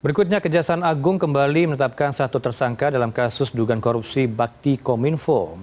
berikutnya kejaksaan agung kembali menetapkan satu tersangka dalam kasus dugaan korupsi bakti kominfo